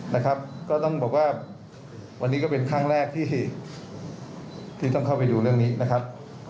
นะครับก็ต้องบอกว่าวันนี้ก็เป็นครั้งแรกที่ต้องเข้าไปดูเรื่องนี้นะครับ